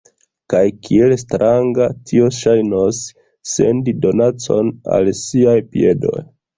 Kaj kiel stranga tio ŝajnos, sendi donacon al siaj piedoj!